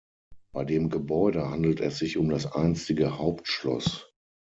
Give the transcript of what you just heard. Bei dem Gebäude handelt es sich um das einstige Hauptschloss.